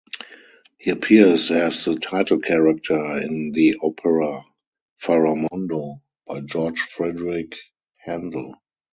He appears as the title character in the opera "Faramondo" by George Frideric Handel.